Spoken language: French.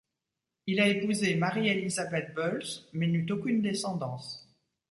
Il a épousé Marie-Élisabeth Boels mais n'eut aucune descendance.